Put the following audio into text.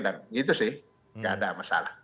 dan gitu sih tidak ada masalah